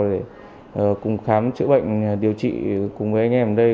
để cùng khám chữa bệnh điều trị cùng với anh em ở đây